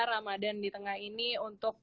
ramadan di tengah ini untuk